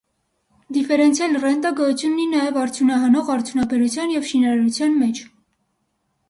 Դիֆերենցիալ ռենտա գոյություն ունի նաև արդյունահանող արդյունաբերության և շինարարության մեջ։